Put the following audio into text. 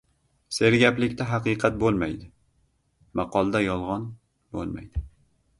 • Sergaplikda haqiqat bo‘lmaydi, maqolda yolg‘on bo‘lmaydi.